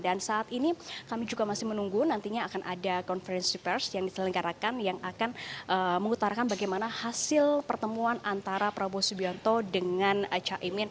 dan saat ini kami juga masih menunggu nantinya akan ada konferensi pers yang diselenggarakan yang akan mengutarakan bagaimana hasil pertemuan antara prabowo subianto dengan chaimin